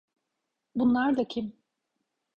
Bunlar da kim?